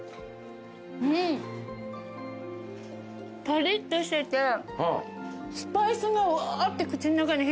パリッとしててスパイスがうわって口の中に。